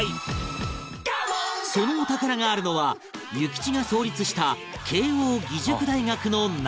そのお宝があるのは諭吉が創立した慶應義塾大学の中